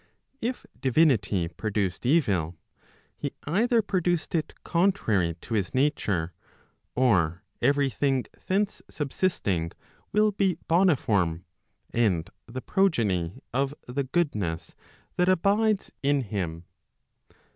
If divinity produced evil, he either produced it contrary to his nature, or every thing thence subsisting will be boniform, and the progeny of the goodness that abides in him.